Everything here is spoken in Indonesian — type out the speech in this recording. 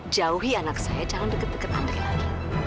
jauhi anak saya jangan deket deket andri lagi